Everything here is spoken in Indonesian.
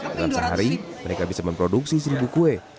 dalam sehari mereka bisa memproduksi seribu kue